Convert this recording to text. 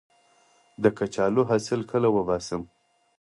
د کچالو حاصل کله وباسم؟